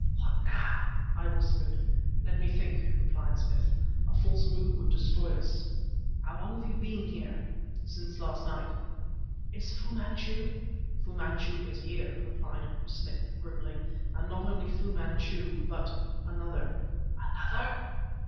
"What now?" I whispered. "Let me think," replied Smith. "A false move would destroy us." "How long have you been here?" "Since last night." "Is Fu Manchu " "Fu Manchu is here!" replied Smith, grimly "and not only Fu Manchu, but another." "Another!"